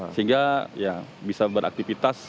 sehingga ya bisa beraktivitas